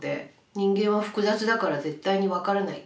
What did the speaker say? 人間は複雑だから絶対に分からない。